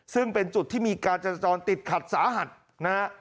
ซึ่งเป็นจุดที่มีการจรจรติดขัดสาหัสนะฮะ